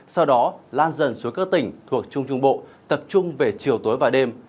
sau đó lan dần xuống các tỉnh thuộc trung trung bộ tập trung về chiều tối và đêm